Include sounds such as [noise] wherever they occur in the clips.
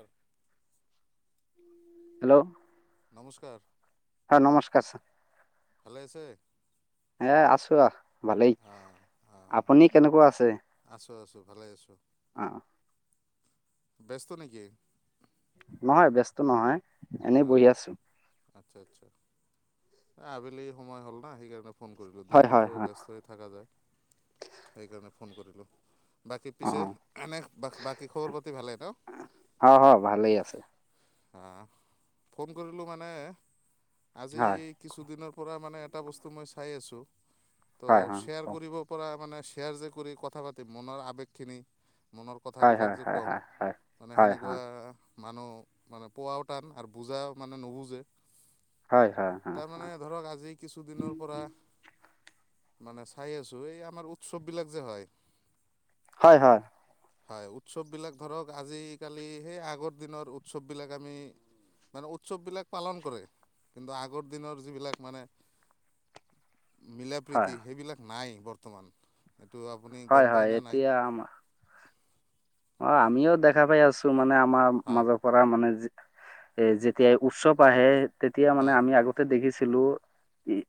অ [inaudible] hello. নমস্কাৰ! হয়, নমস্কাৰ ছাৰ। ভালে আছে? এ আছোঁ আহ, ভালেই। অঁ অঁ আপুনি কেনেকুৱা আছে? আছোঁ- আছোঁ ভালে আছোঁ। অ। ব্যস্ত নেকি? নহয়, ব্যস্ত নহয়, এনেই বহি আছোঁ। আতচ্ছা, আতচ্ছা। এ আবেলি সময় হ'ল না, সেইকাৰণে ফোন কৰিলোঁ। হয় হয় দিনটোতো হয় ব্যস্ত হৈ থাকা যায়। সেইকাৰণে ফোন কৰিলোঁ। বাকী অ পিছে, এনে বাকী খবৰ পাতি ভালেই ন? অ হয় ভালেই আছে হা, ফোন কৰিলোঁ মানে আজি হয় কিছুদিনৰ পৰা মানে এটা বস্তু মই চাই আছোঁ, হয় ত' হয় শ্বেয়াৰ কৰিব পৰা মানে শ্বেয়াৰ যে কৰি কথা পাতি মনৰ আৱেগ খিনি মনৰ হয় কথাবিলাক হয় যে হয় ক'ম। হয় মানে হয় হয় সেনেকুৱা মানুহ মানে পোৱাও টান, আৰু বুজা মানে নুবুজে। হয়-হয়। তাৰমানে ধৰক আজি কিছুদিনৰ পৰা মানে চাই আছোঁ, এই আমাৰ উৎসৱ বিলাক যে হয় হয়- হয়। হয়। উৎসৱবিলাক ধৰক আজি কালি সেই আগৰ দিনৰ উৎসৱবিলাক আমি মানে উৎসৱবিলাক পালন কৰে। কিন্তু আ- আগৰ দিনৰ যিবিলাক মানে হয় মিলাপ্ৰীতিৰ সেইবিলাক নাই বৰ্তমান। এইটো আপুনি গম পায়নে নাই? আমা অ' আমিও দেখা পাই আছোঁ,। মানে আমাৰ হয় মাজত পৰা মানে এ যেতিয়া উৎসৱ আহে, তেতিয়া হয় মানে আমি আগত দেখিছিলোঁ। উম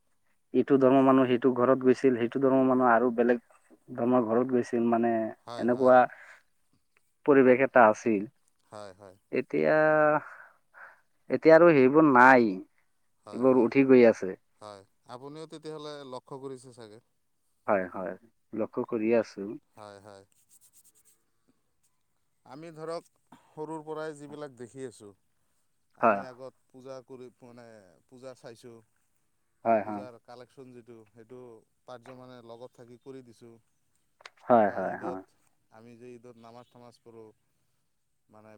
ইটো ধৰ্মৰ মানুহ সিটো ঘৰত গৈছিল। সেইটো ঘৰৰ মানুহ আৰু বেলেগ- আমাৰ ঘৰত গৈছিল, মানে- হয়- হয়। এনেকুৱা পৰিৱেশ এটা আছিল। হয়- হয়। এতিয়া- এতিয়া আৰু সেইবোৰ নাই। হয়- এইবোৰ হয়- উঠি গৈ আছে হয়, আপুনিও তেতিয়াহ'লে লক্ষ্য কৰিছে চাগে? হয়- হয়, লক্ষ্য কৰি আছোঁ। হয়- হয়। আমি ধৰক সৰুৰ পৰাই যিবিলাক দেখি আছোঁ, হয় আমি আগত পূজা কৰি মানে পূজা চাইছোঁ, হয় হয় পূজাৰ কালেকশ্যন যিটো, সেইটো পাৰ্য মানে লগত থাকি কৰি দিছোঁ। হয় বা হয় ঈদত হয় আমি যে ঈদত নামাজ- চামাজ কৰোঁ।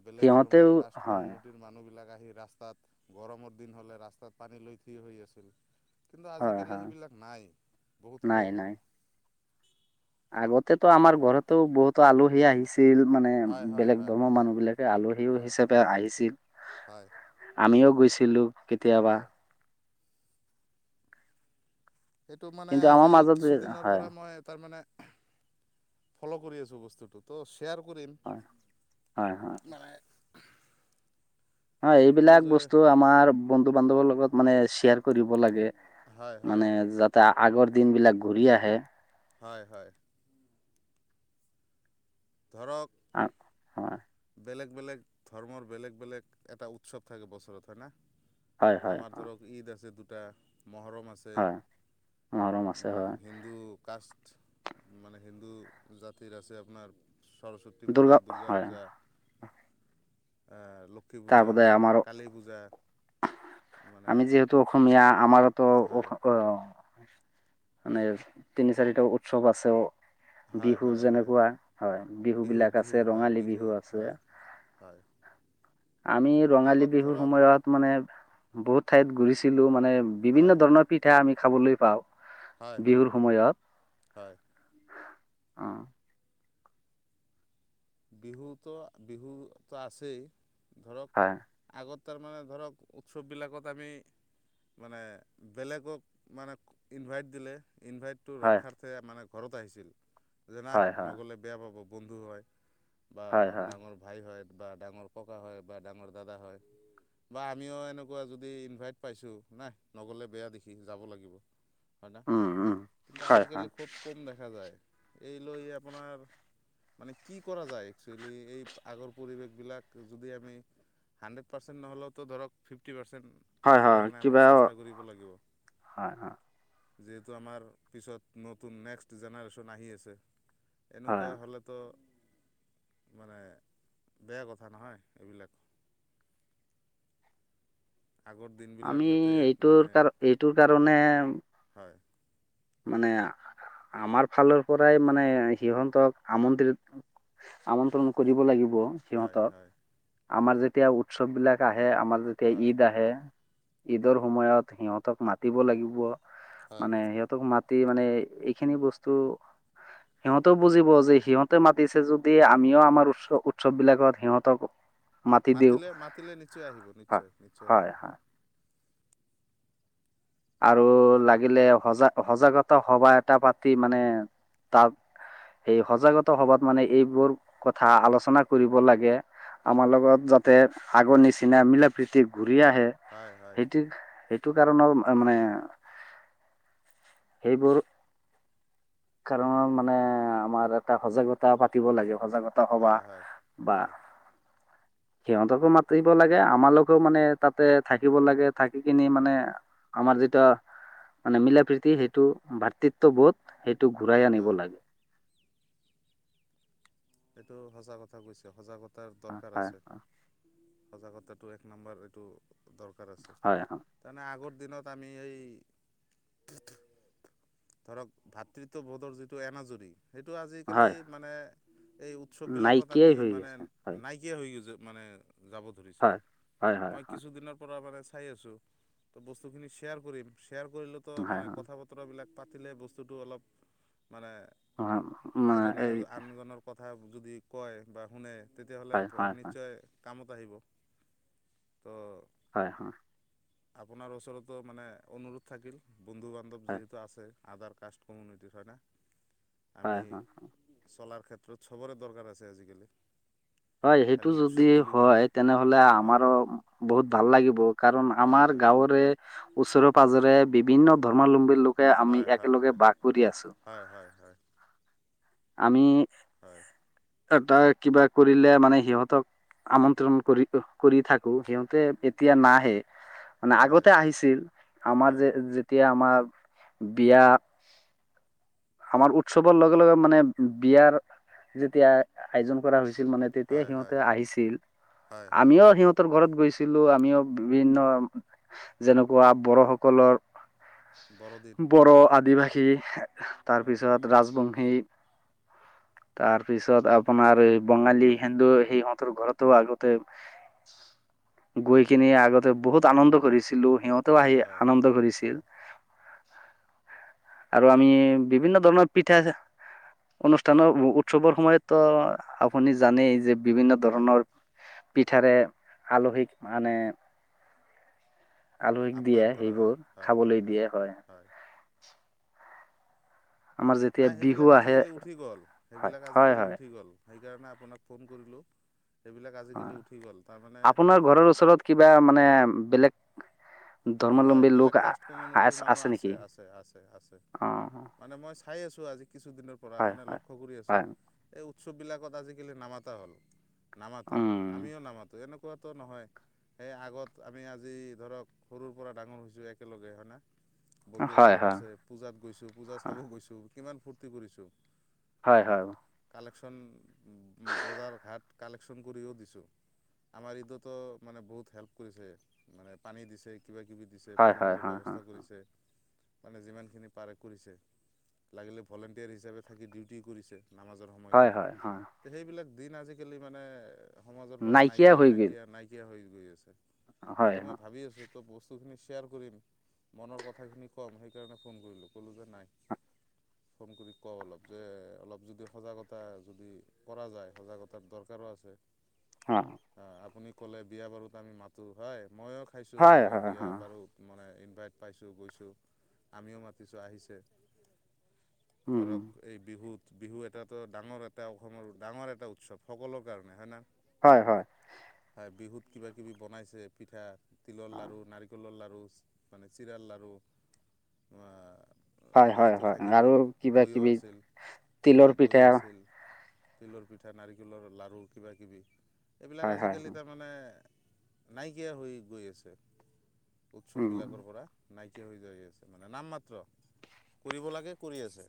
বেলেগ সিহঁতেও কাষ্ট হয় কমিউনিটিৰ মানুহবিলাক আহি ৰাস্তাত গৰমৰ দিন হ'লে ৰাস্তাত পানী লৈ থিয় হৈ আছিল। কিন্তু হয় আজিকালি হয় সেইবিলাক নাই, বহুত নাই কম। নাই আগতেতো তো আমাৰ ঘৰটোও বহুতো আলহী আহিছ ছিল মানে হয় হয় বেলেগ হয় ধৰ্মৰ হয় মানুহ বিলাকে আলহীও হয় হিচাপে আহিছিল। হয়। আমিও গৈছিলোঁ কেতিয়াবা। হয় সেইটো মানে কিন্তু আমাৰ আজি মাজত যে কিছুদিনৰ হয় পৰা মই এটা মানে ফ'ল' কৰি আছোঁ বস্তুটো, ত'শ্বেয়াৰ কৰিম। হয়, হয়, হয়। মানে হয়, ক'লোঁ এইবিলাক যে বস্তু আমাৰ বন্ধু-বান্ধৱৰ লগত মানে শেয়াৰ কৰিব লাগে, হয় হয় মানে যাতে আগৰ দিন বিলাক ঘূৰি আহে। হয়, হয়। ধৰক আৰু হয়। বেলেগ বেলেগ ধৰ্মৰ বেলেগ বেলেগ এটা উৎসৱ থাকে বছৰত হয় না? হয়, হয়, আমাৰ হয়, ধৰক ঈদ আছে দুটা মহহৰম আছে। হয়, মহৰম আছে উম, হয়, হিন্দু কাষ্টষ্ট। মানে হিন্দু জাতিৰ আছে আপোনাৰ সৰস্বতী পূজা, দুৰ্গা পূজাৰ। এ, লক্ষী পূজা, তাৰপতে আমাৰ কালী পূজা মানে টো অসমীয়া আমাৰতো হয় অ' মানে তিনি চাৰিটা উৎসৱ আছে। হয় বিহু হয় হয় যেনেকুৱা হয়, বিহু বিলাক আছে, ৰঙালী বিহু আছে। হয়। আমি ৰঙালী আগত বিহুৰ ধৰক সময়ত মানে বহুত ঠাইত ঘূৰিছিলো, মানে হয় বিভিন্ন ধৰণৰ পিঠা আমি খাবলৈ পাওঁ, হয় হয় বিহুৰ হয় সময়ত। অ'। বিহুতো, বিহুটো আছেই ধৰক। হয়। আগত তাৰমানে ধৰক উৎসৱবিলাকত আমি মানে বেলেগক মানে ইনভাইট দিলে, ইনভাইট টো হয় ৰক্ষাৰ্থে মানে ঘৰত আহিছিল, যে নাই হয় হয় নগ'লে বেয়া পাব বন্ধু হয়। বা হয় হয় ডাঙৰ ভাই হয় বা ডাঙৰ ককা হয় বা ডাঙৰ দাদা হয়। বা আমিও এনেকুৱা যদি ইনভাইট পাইছোঁ, না নগ'লে বেয়া দেখি, যাব লাগিব। হয় না, উম উম কিন্তু হয় হয় আজিকালি খুব কম দেখা যায়। এই লৈ আপোনাৰ মানে কি কৰা যায়, একচুৱেলি এই আগৰ পৰিৱেশবিলাক যদি আমি হাণ্ড্ৰেড পাৰচেণ্ট নহ'লেতো ধৰক ফিফটি পাৰচেন হয় আনাৰ হয় কাৰণে কিবা আমাৰ চেষ্টা কৰিব লাগিব। হয় হয় যিহেতু আমাৰ পিছত নতুন নেক্সট জেনেৰেশ্যন আহি আছে। এনেকুৱা হয় হ'লেতো মানে বেয়া কথা নহয় এইবিলাক। আগত আমি এইটোৰ কাৰ-কাৰণে এইটোৰ কাৰণে হয়। মানে আমাৰ ফালৰ পৰাই মানে সিহঁতক আমন্ত্ৰিত আমন্ত্ৰণ কৰিব লাগি- হয় সিহঁতক। হয় আমাৰ যেতিয়া উৎসৱ বিলাক আহে, আমাৰ যেতিয়া হয় ঈদ আহে। ঈদৰ সময়ত সিহঁতক মাতিব লাগিব হয় মানে সিহঁত মাতি মানে এইখিনি বস্তু- সিহঁতেও বুজিব যে সিহঁতে মাতিছে যদি আমিও আমাৰ উৎ-উৎসৱ বিলাকত সিহঁতক- মাতি দিওঁ মাতিলে-মাতিলে নিশ্চয় আহিব, নিশ্চয় নিশ্চয় আহিব, হয়। আৰু মানে লাগিলে সজা-সজাগতা সভা এটা পাতি মানে তা'ত- সেই সজাগতা সভাত মানে এইবোৰ কথা আলোচনা কৰিব লাগে। আমাৰ লগত যাতে আগৰ নিচিনা মিলা-প্ৰীতি ঘূৰি আহে। হয় হয় সেইটো-সেইটো কাৰণৰ মানে হয় সেইবোৰ- কাৰণৰ মানে আমাৰ এটা সজাগতা পাতিব লাগে। সজাগতা- সজাগতা হয় হয় সভাহ বা- হয় সিহঁতকো মাতিব লাগে আমালোকো মানে তা'তে থাকিব লাগে থাকি কিনি হয় মানে- আমাৰ যিটো মানে মিলা-প্ৰীতি সেইটো ভাতৃত্ববোধ সেইটো ঘূৰাই আনিব হয় লাগে। এইটো সঁচা কথা কৈছে সজাগতাৰ দৰকাৰ হয় আছে। সজাগতাটো এক নাম্বাৰ এইটো দৰকাৰ আছে। হয় হয় তাৰমানে আগৰ দিনত আমি এই- ধৰক ভাতৃত্ববোধৰ যিটো এনাজৰি সেইটো আজিকালি হয় মানে এই- উৎসৱবিলাকত নাইকিয়াই আমি হৈ মানে গৈছে হয় নাই- কীয়া হৈ গৈছে যে মানে যাব ধৰিছে, হয় হয় হয় মই হয় কিছুদিনৰ পৰা মানে চাই আছোঁ। ত' বস্তুখিনি শ্বেয়াৰ কৰিম, শ্বেয়াৰ কৰিলেতো হয় মানে হয় কথা-বতৰাবিলাক- পাতিলে বস্তুটো অলপ মানে হয় মানে এই এজনে-আনজনৰ- কথা যদি কয় বা শুনে তেতিয়াহ'লে হয় অ', হয় হয় নিশ্চয়- কামত আহিব। ত'- হয়-হয়। আপোনাৰ ওচৰতো মানে অনুৰোধ থাকিল বন্ধু-বান্ধৱ হয় যিহেতু আছে। আগৰ কাষ্ট কমিউনিটি হয় নে। হয় হয় আমি- চলাৰ ক্ষেত্ৰত চবৰে দৰকাৰ আছে আজিকালি। হয়, সেইটো খালি উৎসৱ যদি বুলি হয় নহয় তেনেহ'লে হয় আমাৰো- বহুত ভাল লাগিব, কাৰণ হয় আমাৰ হয় গাঁৱৰে- ওচৰে-পাজৰে বিভিন্ন ধৰ্মাৱলম্বীৰ লোকে আমি একেলগে বাস কৰি আছো। হয়-হয়-হয়। আমি- হয়। এটা কিবা কৰিলে মানে সিহঁতক আমন্ত্ৰণ কৰি- কৰি থাকো সিহঁতে তেতিয়া নাহে। মানে হয় আগতে আহিছিল, আমাৰ হয় যে- তিয়া আমাৰ বিয়া, আমাৰ উৎসৱৰ লগে-লগে- মানে বিয়াৰ যেতিয়া আয়োজন কৰা হৈছিল মানে- তেতিয়া হয় সিহঁতে হয় আহিছিল। হয় হয় আমিও সিহঁতে- সিহঁতৰ ঘৰত গৈছিলো, আমিও বিভিন্ন যেনেকুৱা বড়োসকলৰ বৰদিন বড়ো, আদিবাসী হয় তাৰপিছত ৰাজবংশী- তাৰপিছত আপোনাৰ বঙালী, হিন্দু সিহঁতৰ ঘৰতো আগতে গৈ কিনে আগতে বহুত আনন্দ কৰিছিলোঁ সিহঁতেও আহি হয় হয় আনন্দ কৰিছিল। হয় আৰু আমি বিভিন্ন ধৰণৰ পিঠা অনুষ্ঠানৰ উৎসৱৰ সময়তো আপুনি জানেই যে বিভিন্ন হয় ধৰণৰ পিঠাৰে আলহীক মানে আলহিক দিয়ে আপ্যায়ন কৰা সেইবোৰ হয় হয় হয় খাবলৈ দিয়ে হয়। আমাৰ যেতিয়া নাই বিহু সেইবিলাক আহে আজিকালি উঠি গ'ল, হয় সেইবিলাক হয় আজিকালি হয় উঠি গ'ল। সেইকাৰণে আপোনাক ফোন কৰিলো। সেইবিলাক হয় আজিকালি উঠিগল তাৰমানে আপোনাৰ ঘৰৰ ওচৰত কিবা মানে বেলেগ ধৰ্মাৱলম্বী লোক বেলেগ কাষ্ট কমিউনিটিৰ মানুহ আছে আছে আছে আছে। অ মানে মই চাই আছো আজি কিছুদিনৰ পৰা হয় মানে হয় লক্ষ্য কৰি আছো। হয় এই উৎসৱবিলাকত আজিকালি নামাতা হ'ল নামাতে উম আমিও নামাতো এনে কুৱাটো নহয় সেই আগত আমি আজি ধৰক সৰুৰ পৰা ডাঙৰ হৈছো একেলগে হয় না বন্ধু হয় বান্ধৱ হয় আছে। পূজাত গৈছো পূজা হয় চাব গৈছো কিমান ফূৰ্তি কৰিছো হয় না। কালেকশ্যন বজাৰ ঘাট কালেকশ্যন কৰিও দিছো। আমাৰ ইটোতো মানে বহুত হেল্প কৰিছে মানে পানী দিছে কিবা কিবি দি ছে হয় ফল হয় মূলৰ হয় হয় ব্যৱস্থা কৰিছে। মানে যিমানখিনি পাৰে কৰিছে লাগিলে ভলেণ্টিয়াৰ হিচাপে থাকি ডিউটিও কৰিছে। নামাজৰ হয় সময়খিনি হয় হয় ত সেইবিলাক দিন আজিকালি মানে সমাজৰ পৰা নাইকিয়া হৈ গ'ল নাইকিয়া নাইকিয়া হৈ গৈ আছে হয় সেইটো মই অঁ ভাবি আছো। ত বস্তুখিনি শ্বেয়াৰ কৰিম মনৰ কথাখিনি ক'ম সেইকাৰণে ফোন কৰিলো ক'লো যে নাই ফোন কৰি কওঁ অলপ যে অলপ যদি সজাগতা যদি কৰা যায় সজাগতাৰ দৰকাৰো আছে। অ'। আ আপুনি ক'লে বিয়া বাৰুত আমি মাতো হয় মইয়ো খাইছো হয় হয় এনেকুৱা অঁ বিয়া বাৰু মানে ইনভাইট পাইছো গৈছো আমিও মাতিছো আহিছে। ধৰক এই বিহুত বিহু এটাতো ডাঙৰ এটা অসমৰ ডাঙৰ এটা উৎসৱ সকলৰ কাৰণে হয় না? হয় হয়। হয় বিহুত কিবা কিবি বনাইছে পিঠা তিলৰ লাড়ু নাৰিকলৰ লাড়ু মানে চিৰাল লাড়ু হয় হয় দৈটো হয় আৰু থাকিবই কিবা দৈও কিবি আছিল তিলৰ হয় পিঠা দৈ আছিল। তিলৰ পিঠা নাৰিকলৰ লাড়ু কিবা কিবি এইবিলাক হয় হয় আজিকালি তাৰ মানে নাইকিয়া হৈ গৈ আছে উম উৎসৱবিলাকৰ পৰা। নাইকিয়া হৈ যাই আছে মানে নাম মাত্ৰ কৰিব লাগে কৰি আছে।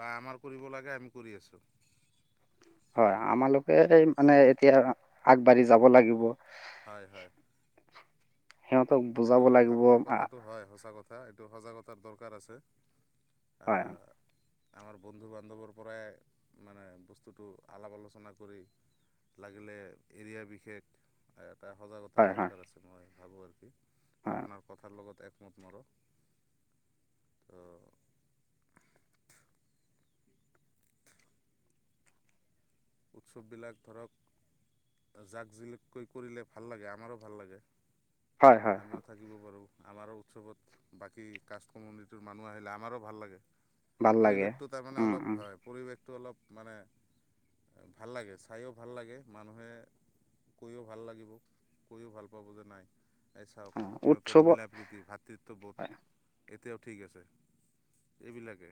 বা আমাৰ কৰিব লাগে আমি কৰি আছো। হয় আমালোকে মানে এতিয়া আগবাঢ়ি যাব লাগিব। হয় হয়। সিহঁতক সেইটো বুজাব লাগিব আপোনাৰ আ, কথাটো হয় সঁচা কথা কথা এইটো সজাগতাৰ দৰকাৰ আছে। হয় আমাৰ বন্ধু বান্ধৱৰ পৰাই মানে বস্তুটো অলপ আলোচনা কৰি লাগিলে এৰিয়া বিশেষ এটা সজাগতাৰ হয় হয় দৰকাৰ আছে মই ভাবো আৰু হয় আপোনাৰ কথাৰ লগত একমত মোৰো ত [inaudible] উৎসৱবিলাক ধৰক জাক জিলিককৈ কৰিলে ভাল লাগে, আমাৰো ভাল লাগে। হয় হয় হয় আমিওঁ থাক শিকিব পাৰোঁ, আমাৰো উৎসৱত বাকী কাষ্ট কমিউনিটিৰ মানুহ আহিলে আমাৰো ভাল লাগে। ভাল লাগে পৰিৱেশটো তাৰমানে অলপ হয়, পৰিৱেশটো অলপ মানে ভাল লাগে চাইয়ো ভাল লাগে, মানুহে কৈয়ো ভাল লাগিব, কৈয়ো ভাল পাব যে নাই এই চাওঁক, সিহঁতৰ উৎসৱত মিলা প্ৰীতি ভাতৃত্ববোধ। হয় এতিয়াও ঠিক আছে, এইবিলাকে।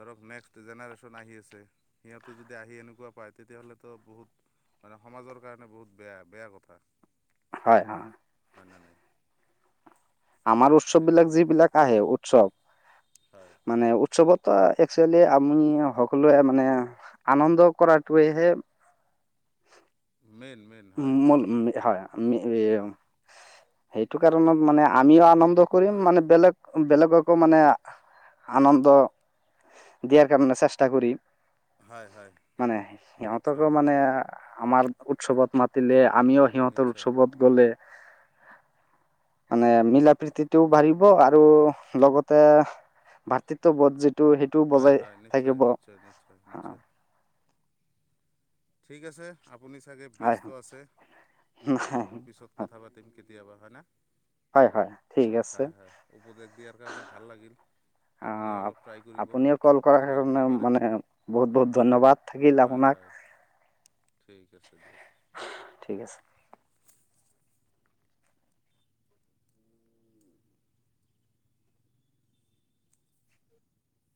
ধৰক নেক্সট জেনেৰেশ্যন আহি আছে। সিহঁতে যদি আহি এনেকুৱা পায়, তেতিয়াহ'লেতো বহুত মানে সমাজৰ কাৰণে বহুত বেয়া, বেয়া কথা। হয় অ'। হয়নে নাই? আমাৰ উৎসৱ বিলাক সেইটোৱে যিবিলাক আহে উৎসৱ। হয়। মানে উৎসৱতো একচুৱেলি আমি সকলোৱে মানে আনন্দ কৰাটোৱেহে মেন, মেন। মল হয় [unintelligible] সেইটো কাৰণত মানে আমিওঁ আনন্দ কৰিম হয় মানে বেলেগ, বেলেগকো মানে আনন্দ দিয়াৰ কাৰণে চেষ্টা কৰিম, হয় হয় মানে সিহঁতকো নিশ্চয় মানে নিশ্চয় আমাৰ উৎসৱত মাতিলে আমিও সিহঁতৰ নিশ্চয় উৎসৱত গ'লে মানে মিলা প্ৰীতিটোও বাঢ়িব, আৰু লগতে ভাতৃত্ববোধ যিটো সেইটোও হয় বজাই হয় নিশ্চয় থাকিব, নিশ্চয় নিশ্চয় হা। নিশ্চয় ঠিকে আছে, আপুনি চাগে ব্যস্ত হয় ব্যস্ত আছে। উম, পিছত কথা পাতিম কেতিয়াবা, হয়নে? হয়, হয়, ঠিক আছে। হয়, হয়। উপদেশ দিয়াৰ কাৰণে ভাল লাগিল। আপুনি অ', অলপ ট্ৰাই কৰিব আপ-আপুনিও কল কৰাৰ যিমানখিনি কাৰণে পাৰে মানে বহুত, বহুত ধন্যবাদ। থাকিল হয় আপোনাক। হয় ঠিক আছে দিয়ক, অ'কে। ঠিক আছে